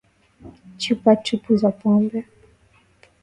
Chupa tupu za pombe